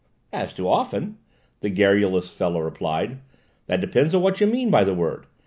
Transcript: "As to 'often,'" the garrulous fellow replied, "that depends on what you mean by the word.